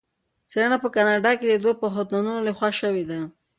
څېړنه په کاناډا کې د دوه پوهنتونونو لخوا شوې ده.